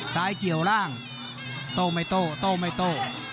เกี่ยวล่างโต้ไม่โต้โต้ไม่โต้